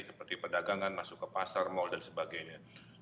seperti pedagangan masuk ke pasar mal dan sebagainya